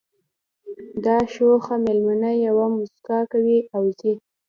دا شوخه مېلمنه یوه مسکا کوي او ځي